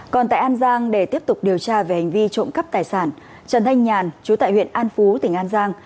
còn tại an giang để tiếp tục điều tra về hành vi trộm cắp tài sản trần thanh nhàn chú tại huyện an phú tỉnh an giang